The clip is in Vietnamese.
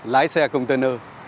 lái xe công tư nư